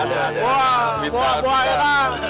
wah buah buah ya tak